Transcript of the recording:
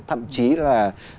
thậm chí là